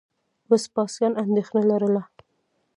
وسپاسیان اندېښنه لرله.